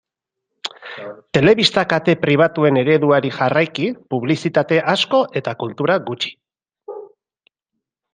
Telebista kate pribatuen ereduari jarraiki publizitate asko eta kultura gutxi.